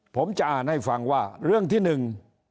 ผมจะอ่านให้ฟังว่าเรื่องที่หนึ่ง